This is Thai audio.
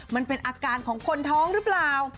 มันเป็นอาการของคนท้องหรือเปล่า